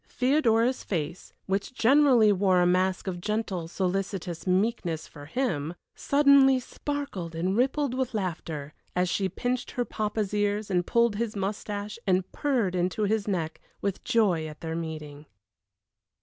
Theodora's face, which generally wore a mask of gentle, solicitous meekness for him, suddenly sparkled and rippled with laughter, as she pinched her papa's ears, and pulled his mustache, and purred into his neck, with joy at their meeting.